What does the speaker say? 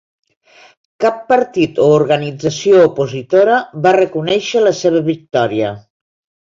Cap partit o organització opositora va reconèixer la seva victòria.